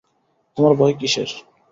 তোমার ভয় কিসের?